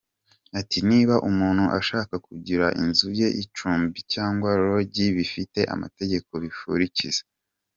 Ati “Niba umuntu ashaka kugira inzu ye icumbi cyangwa Lodge bifite amategeko bikurikiza.